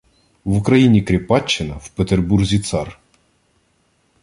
В Україні – кріпаччина, в Петербурзі – цар.